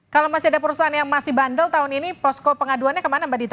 kalau masih ada perusahaan yang masih bandel tahun ini posko pengaduannya kemana mbak dita